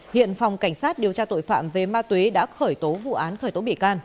hiện phòng cảnh sát điều tra tội phạm về ma túy đã khởi tố vụ án khởi tố bị can